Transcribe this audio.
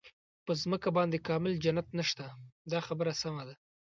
په ځمکه باندې کامل جنت نشته دا خبره سمه ده.